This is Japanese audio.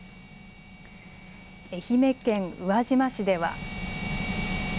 愛媛県宇和島市では。